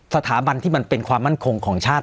สถาบันที่มันเป็นความมั่นคงของชาติ